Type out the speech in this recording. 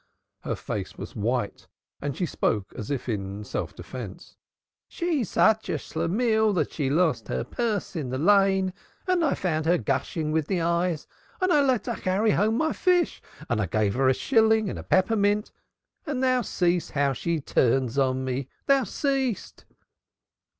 Her face was white and she spoke as if in self defence. "She's such a Schlemihl that she lost her purse in the Lane, and I found her gushing with the eyes, and I let her carry home my fish and gave her a shilling and a peppermint, and thou seest how she turns on me, thou seest."